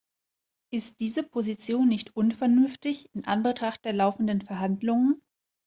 Ist diese Position nicht unvernünftig in Anbetracht der laufenden Verhandlungen?